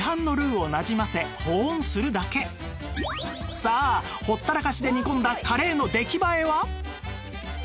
あとはさあほったらかしで煮込んだカレーの出来栄えは？